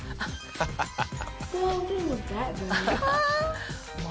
ハハハハ！